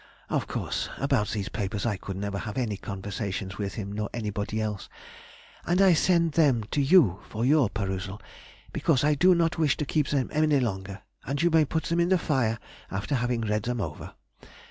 Of course, about these papers I could never have any conversation with him nor anybody else, and I send them to you for your perusal, because I do not wish to keep them any longer, and you may put them in the fire after having read them over.